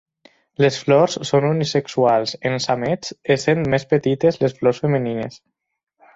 Les flors són unisexuals en aments, essent més petites les flors femenines.